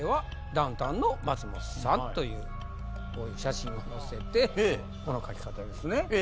ダウンタウンの松本さんという写真を載せてこの書き方ですね。